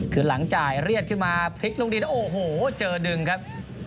คือหลังจ่ายเรียกขึ้นมาพลิกลงดินแล้วโอ้โหเจอดึงครับ